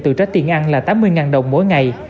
từ trái tiền ăn là tám mươi đồng mỗi ngày